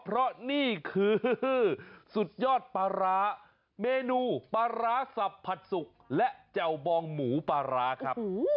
เพราะนี่คือสุดยอดปลาร้าเมนูปลาร้าสับผัดสุกและแจ่วบองหมูปลาร้าครับ